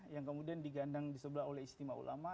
yang kemudian digandang di sebelah oleh istimewa ulama